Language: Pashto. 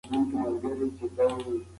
زده کړه د انسان ژوند ته مانا او هدف ورکوي.